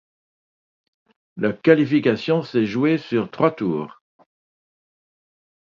La qualification s'est jouée sur trois tours.